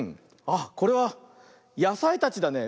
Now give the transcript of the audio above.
あっこれはやさいたちだね。